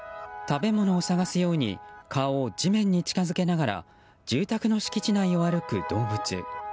食べ物を探すように顔を地面に近づけながら住宅の敷地内を歩く動物。